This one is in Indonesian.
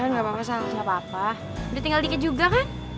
iya gak apa apa sal gak apa apa udah tinggal di kejuga kan